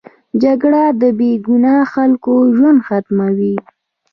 جګړه د بې ګناه خلکو ژوند ختموي